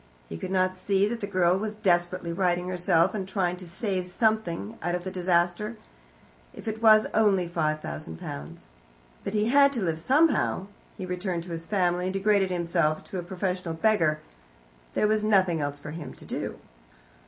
He could not see that the girl was desperately righting herself, and trying to save something out of the disaster, if it was only five thousand pounds. But he had to live somehow. He turned to his family, and degraded himself to a professional beggar. There was nothing else for him to do.